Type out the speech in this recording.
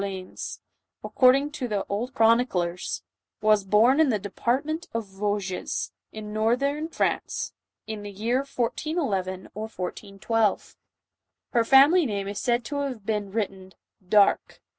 leans'1 according to the old chroniclers, was born in the department of Vosges, in northern France, in the year 1411 or 1412. Her family name is said to have been written Dare.